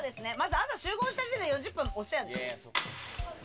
朝集合した時点で４０分押してた。